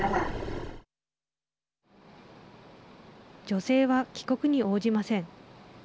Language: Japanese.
女性は帰国に応じません。